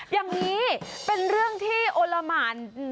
อย่างนี้เป็นเรื่องที่โอละหมาน